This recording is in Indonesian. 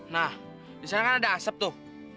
nah disana kan ada asap tuh